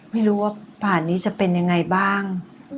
ไม่รู้ว่าป่านนี้จะเป็นยังไงบ้าง